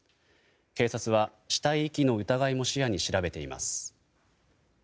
警察は死体遺棄の疑いも視野に調べています。